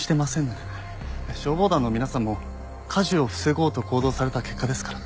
消防団の皆さんも火事を防ごうと行動された結果ですから。